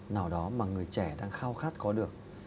nào đó mà người trẻ đang khao khát có được